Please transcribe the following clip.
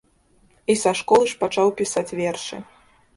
І са школы ж пачаў пісаць вершы.